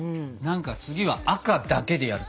次は赤だけでやるとかさ。